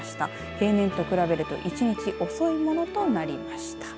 平年と比べると１日遅いものとなりました。